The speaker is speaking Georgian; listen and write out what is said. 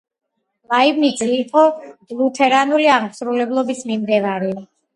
ლაიბნიცი იყო ლუთერანული აღმსარებლობის მიმდევარი.